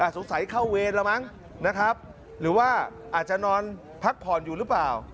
เข้าเวรแล้วมั้งนะครับหรือว่าอาจจะนอนพักผ่อนอยู่หรือเปล่า